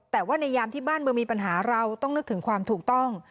แต่ว่าในยามที่บ้านเมืองมีปัญหาเราต้องนึกถึงความถูกต้อง